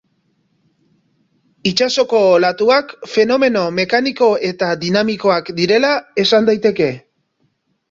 Itsasoko olatuak fenomeno mekaniko eta dinamikoak direla esan daiteke.